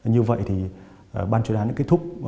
như vậy thì ban chuyên án đã kết thúc